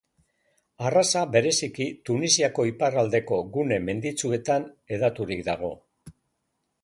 Arraza bereziki Tunisiako ipar aldeko gune menditsuetan hedaturik dago.